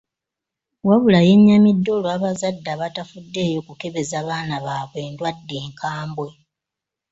Wabula yennyamidde olw'abazadde abatafuddeyo kukebeza baana baabwe ndwadde nkambwe.